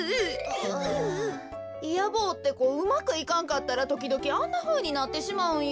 いや坊ってこうまくいかんかったらときどきあんなふうになってしまうんよ。